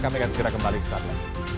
kami akan segera kembali sesaatnya